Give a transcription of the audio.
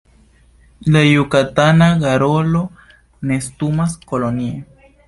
La Jukatana garolo nestumas kolonie.